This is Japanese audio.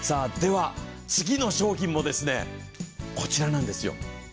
次の商品もね、こちらなんですよ。